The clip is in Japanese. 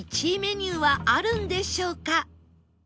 １位メニューはあるんでしょうか？